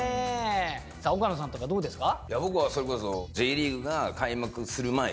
さあ岡野さんとかどうですか？